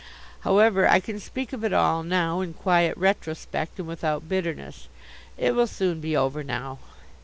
However, I can speak of it all now in quiet retrospect and without bitterness. It will soon be over now.